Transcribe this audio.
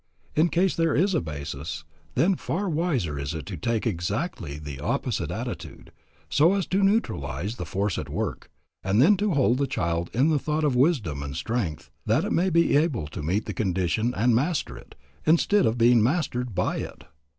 In case there is a basis, then far wiser is it to take exactly the opposite attitude, so as to neutralize the force at work, and then to hold the child in the thought of wisdom and strength that it may be able to meet the condition and master it, instead of being mastered by it.